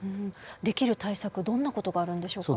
できる対策どんな事があるんでしょうか？